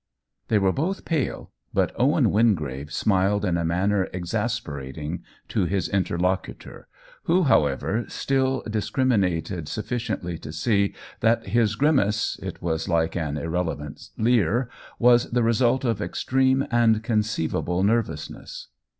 They were both pale, but Owen Wingrave smiled in a manner exasperating to his interlocutor, who, however, still dis criminated sufficiently to see that his gri mace (it was like an irrelevant leer) was the result of extreme and conceivable nerv ousness.